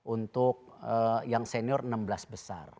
untuk yang senior enam belas besar